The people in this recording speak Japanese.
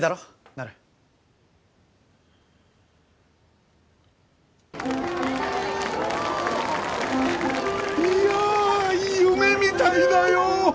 なるいやー夢みたいだよ